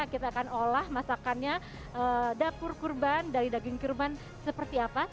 kita akan olah masakannya dapur kurban dari daging kurban seperti apa